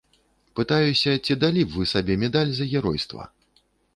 Пытаюся, ці далі б вы сабе медаль за геройства?